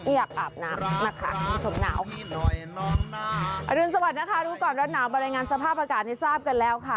อยากอาบน้ำนะคะชมหนาวสวัสดีนะคะดูก่อนรถหนาวมารายงานสภาพอากาศนี้ทราบกันแล้วค่ะ